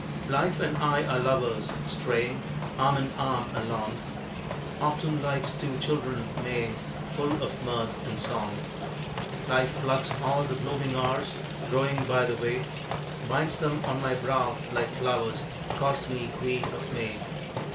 Life and I are lovers, straying Arm in arm along: Often like two children Maying, Full of mirth and song. Life plucks all the blooming hours Growing by the way; Binds them on my brow like flowers; Calls me Queen of May.